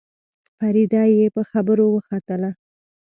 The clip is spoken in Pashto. فريده يې په خبره وختله.